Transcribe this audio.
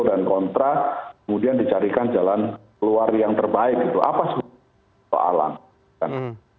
lihat saya lagi diain eks querut diri intrigama dasar itu